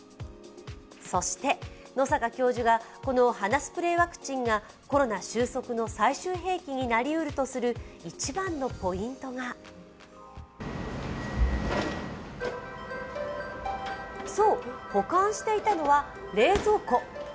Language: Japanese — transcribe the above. そして野阪教授がこの鼻スプレーワクチンがコロナ収束の最終兵器になりうるとする一番のポイントがそう、保管していたのは冷蔵庫。